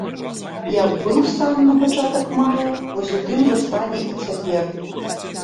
Як быў стан на пачатак мая, вось у тым жа стане і цяпер.